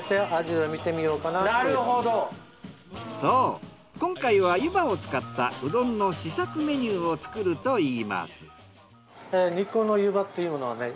そう今回は湯波を使ったうどんの試作メニューを作るといいます。